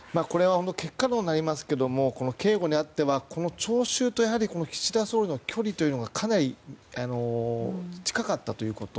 結果論になりますが警護にあっては聴衆と岸田総理の距離がかなり近かったということ。